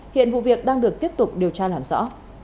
hiện vụ việc đang được tiếp tục điều tra làm rõ